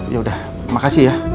yaudah makasih ya